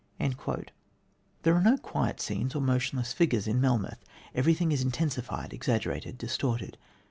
There are no quiet scenes or motionless figures in Melmoth. Everything is intensified, exaggerated, distorted.